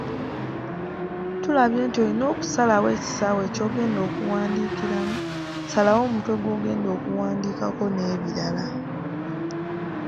Tulabye nti olina okusalawo ekisaawe ky’ogenda okuwandiikiramu, salawo omutwe gw’ogenda okuwandiikako n'ebirala. ,